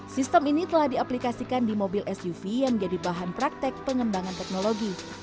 sistem ini telah diaplikasikan di mobil suv yang menjadi bahan praktek pengembangan teknologi